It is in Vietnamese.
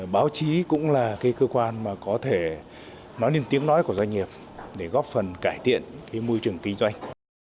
báo chí cũng là cái cơ quan mà có thể nói lên tiếng nói của doanh nghiệp để góp phần cải thiện môi trường kinh doanh